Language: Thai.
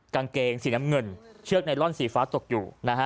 กางเกงสีน้ำเงินเชือกไนลอนสีฟ้าตกอยู่นะฮะ